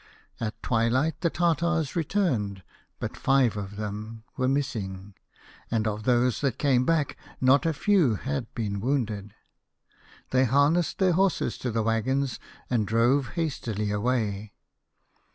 " At twilight the Tartars returned, but dve of them were A House of Pomegranates. missing, and of those that came back not a few had been wounded. They harnessed their horses to the waggons and drove hastily away.